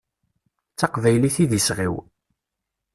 D taqbaylit i d iseɣ-iw.